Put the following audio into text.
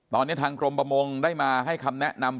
ตอนนี้ทางกรมประมงได้มาให้คำแนะนำ